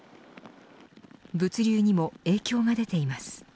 物流にも影響が出ています。